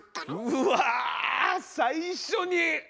うわあ最初に。